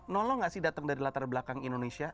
nolong gak sih datang dari latar belakang indonesia